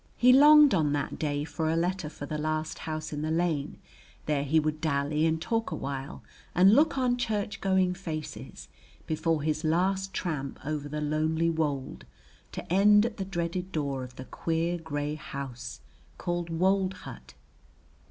He longed on that day for a letter for the last house in the lane, there he would dally and talk awhile and look on church going faces before his last tramp over the lonely wold to end at the dreaded door of the queer grey house called wold hut.